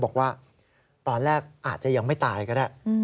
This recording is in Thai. บอกว่าตอนแรกอาจจะยังไม่ตายก็ได้